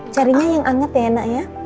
carinya yang anget ya enak ya